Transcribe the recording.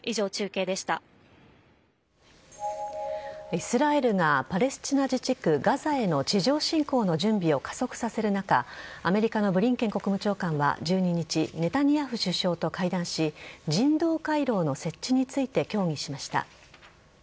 イスラエルがパレスチナ自治区・ガザへの地上侵攻の準備を加速させる中アメリカのブリンケン国務長官は１２日ネタニヤフ首相と会談し人道回廊の設置について協議しました。